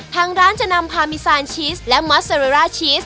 ทางร้านจะนำพามิซานชีสและมัสเตอเรร่าชีส